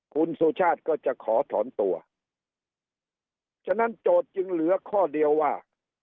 คุณสุชาติก็จะขอถอนตัวฉะนั้นโจทย์จึงเหลือข้อเดียวว่า